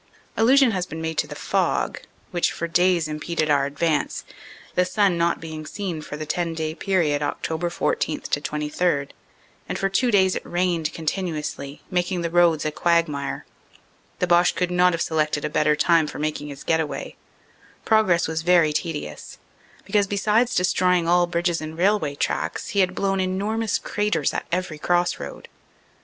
Allusion has been made to the fog, which for days impeded our advance, the sun not being seen for the 10 day period, Oct. 14 to 23, and for two days it rained continuously, making the roads a quagmire. The Boche could not have selected a 344 CANADA S HUNDRED DAYS better time for making his get away. Progress was very tedious, because besides destroying all bridges and railway tracks, he had blown enormous craters at every cross road.